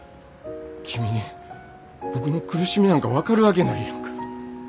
君に僕の苦しみなんか分かるわけないやんか。